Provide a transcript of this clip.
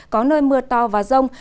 có nơi mưa to và rông